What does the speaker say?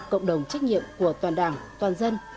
cộng đồng trách nhiệm của toàn đảng